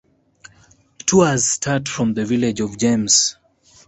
Tours start from the village of James.